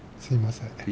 すいません。